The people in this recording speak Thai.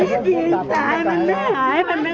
สวัสดีทุกคน